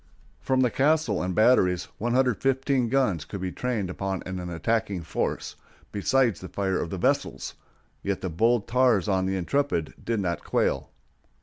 From the castle and batteries 115 guns could be trained upon an attacking force, besides the fire of the vessels, yet the bold tars on the Intrepid did not quail.